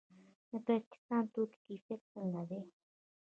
د پاکستاني توکو کیفیت څنګه دی؟